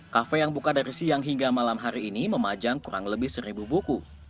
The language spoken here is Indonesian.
kafe yang buka dari siang hingga malam hari ini memajang kurang lebih seribu buku